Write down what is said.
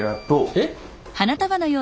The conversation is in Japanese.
えっ？